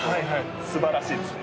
すばらしいですね。